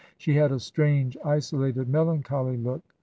She had a strange, isolated, melancholy look.